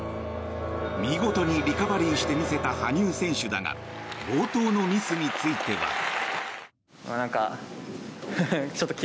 見事にリカバリーしてみせた羽生選手だが冒頭のミスについては。